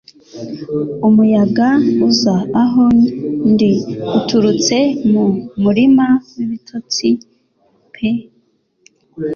Umuyaga uza aho ndi uturutse mu murima w'ibitotsi pe